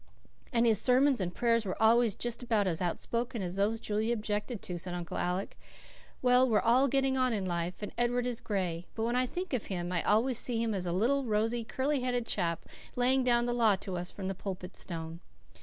"And his sermons and prayers were always just about as outspoken as those Julia objected to," said Uncle Alec. "Well, we're all getting on in life and Edward is gray; but when I think of him I always see him a little, rosy, curly headed chap, laying down the law to us from the Pulpit Stone.